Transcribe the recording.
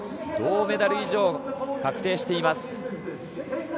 銅メダル以上、確定しています。